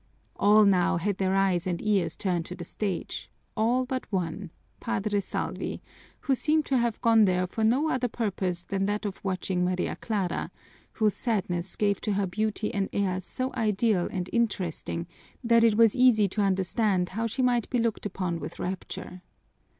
All now had their eyes and ears turned to the stage, all but one: Padre Salvi, who seemed to have gone there for no other purpose than that of watching Maria Clara, whose sadness gave to her beauty an air so ideal and interesting that it was easy to understand how she might be looked upon with rapture.